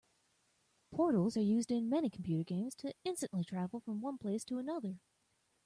Portals are used in many computer games to instantly travel from one place to another.